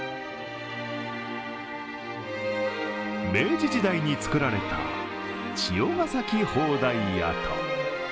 明治時代に造られた千代ヶ崎砲台跡。